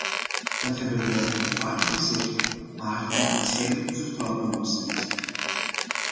Dat hebben wij al vaker gezegd, maar naar het schijnt vertrouwt men ons niet.